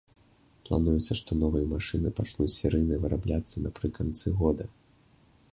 Плануецца, што новыя машыны пачнуць серыйна вырабляцца напрыканцы года.